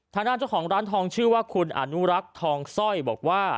ทางด้านเจ้าของร้านทองชื่อว่าคุณอนุรักษ์ทองสร้อยบอกว่า